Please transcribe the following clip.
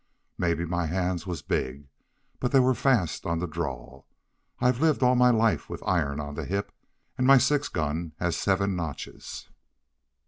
Maybe my hands was big, but they were fast on the draw. I've lived all my life with iron on the hip, and my six gun has seven notches.